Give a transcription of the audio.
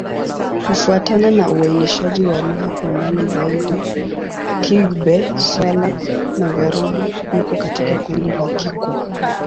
Kufuatana na uainishaji wa lugha kwa ndani zaidi, Kigbe-Xwla-Magharibi iko katika kundi la Kikwa.